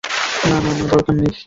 না, না, না, দরকার নেই।